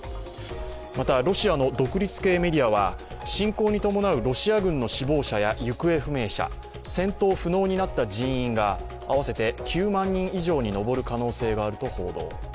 また、ロシアの独立系メディアは、侵攻に伴うロシア軍の死亡者や行方不明者、戦闘不能になった人員が合わせて９万人以上に上る可能性があると報道。